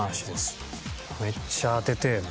めっちゃ当ててえな。